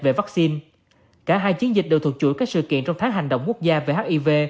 về vaccine cả hai chiến dịch đều thuộc chuỗi các sự kiện trong tháng hành động quốc gia về hiv